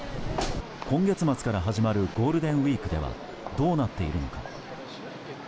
今月末から始まるゴールデンウィークではどうなっているのか。